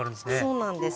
そうなんです。